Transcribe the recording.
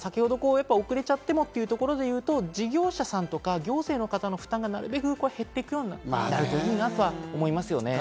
あと先ほど遅れちゃってもってところでいうと、事業者さんとか、業者の方の負担がなるべく減っていくといいなと思います。